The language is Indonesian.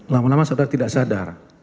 lama lama saudara tidak sadar